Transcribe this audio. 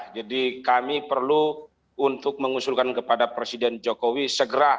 jadi kami perlu untuk mengusulkan kepada presiden jokowi sebuah kekuasaan